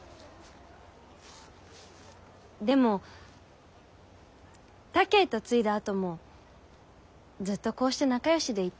でも他家へ嫁いだあともずっとこうして仲よしでいたいのう。